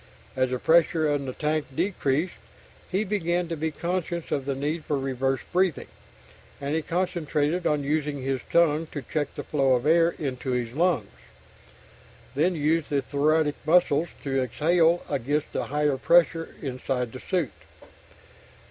As the pressure in the tank decreased, he began to be conscious of the need for "reverse breathing" and he concentrated on using his tongue to check the flow of air into his lungs, then using the thoracic muscles to exhale against the higher pressure inside the suit.